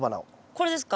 これですか？